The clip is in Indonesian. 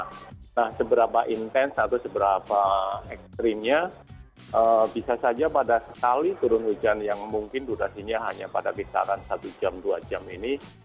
nah seberapa intens atau seberapa ekstrimnya bisa saja pada sekali turun hujan yang mungkin durasinya hanya pada kisaran satu jam dua jam ini